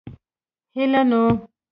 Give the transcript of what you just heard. هلئ نو.